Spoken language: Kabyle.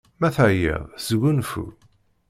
Ma teɛyiḍ, sgunfu!